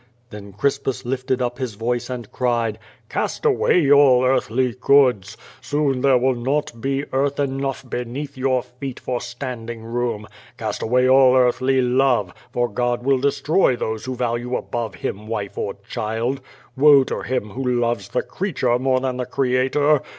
'* Then Crispus lifted up his voice and cried: "Cast away all earthly goods. Soon there will not be earth enough beneath your feet for standing room. Cast away all earthly love, for God will destroy those who value above Him wife or child. Woe to him who loves the creature more than the Creator.